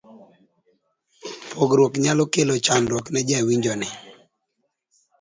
pogruok nyalo kelo chandruok ne jawinjo ni